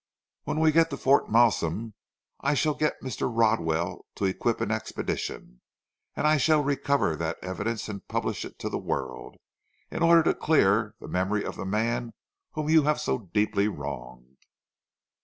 When we get to Fort Malsun, I shall get Mr. Rodwell to equip an expedition, and I shall recover that evidence and publish it to the world, in order to clear the memory of the man whom you have so deeply wronged."